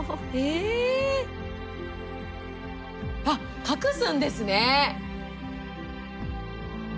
あ、隠すんですね。